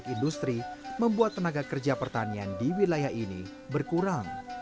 ketika ini kemungkinan industri membuat tenaga kerja pertanian di wilayah ini berkurang